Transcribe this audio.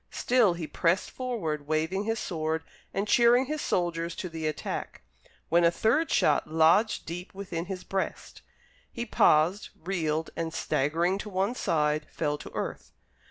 Still he pressed forward waving his sword and cheering his soldiers to the attack, when a third shot lodged deep within his breast. He paused, reeled, and staggering to one side, fell to earth.